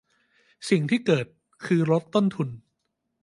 สิ่งที่เกิดคือลดต้นทุน